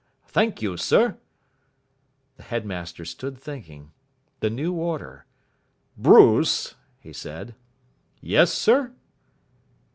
"Thank you, sir." The headmaster stood thinking.... The new order.... "Bruce," he said. "Yes, sir?"